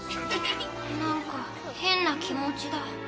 何か変な気持ちだ。